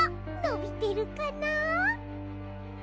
のびてるかな。